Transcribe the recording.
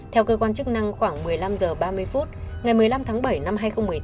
theo cơ quan chức năng khoảng một mươi năm h ba mươi phút ngày một mươi năm tháng bảy năm hai nghìn một mươi tám